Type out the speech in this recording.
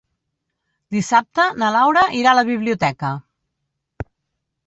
Dissabte na Laura irà a la biblioteca.